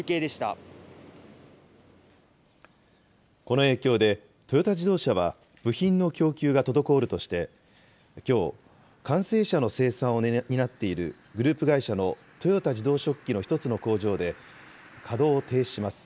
この影響で、トヨタ自動車は、部品の供給が滞るとして、きょう、完成車の生産を担っているグループ会社の豊田自動織機の１つの工場で、稼働を停止します。